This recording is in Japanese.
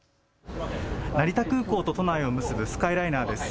成田空港と都内を結ぶスカイライナーです。